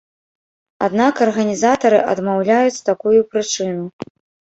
Аднак арганізатары адмаўляюць такую прычыну.